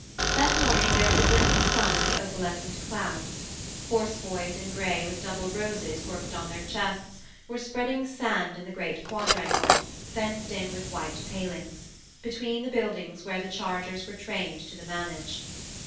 That morning there was a glint of sun in the opalescent clouds: horse boys in grey with double roses worked on their chests were spreading sand in the great quadrangle, fenced in with white palings, between the buildings where the chargers were trained to the manage.